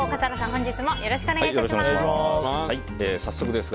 本日もよろしくお願いいたします。